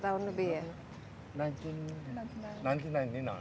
sepuluh tahun lebih ya